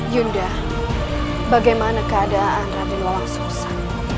yunda bagaimana keadaan radenolang sosa